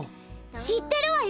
知ってるわよ。